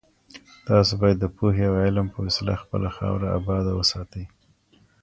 تاسو بايد د پوهي او علم په وسيله خپله خاوره اباده وساتئ.